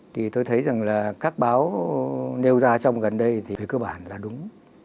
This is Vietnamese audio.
thì tôi thấy rằng là các báo nêu ra trong gần đây thì về cơ bản là đúng